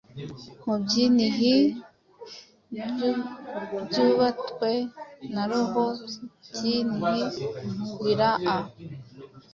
Mubyinhi byubatwe na Roho, byinhi biraa